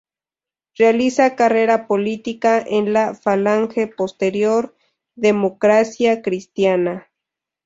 Realiza carrera política en la falange, posterior democracia cristiana.